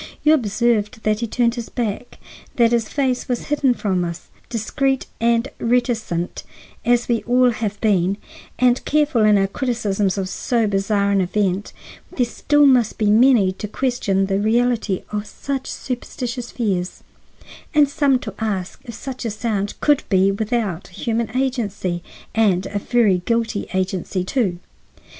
You observed that he turned his back; that his face was hidden from us. Discreet and reticent as we have all been, and careful in our criticisms of so bizarre an event, there still must be many to question the reality of such superstitious fears, and some to ask if such a sound could be without human agency, and a very guilty agency, too.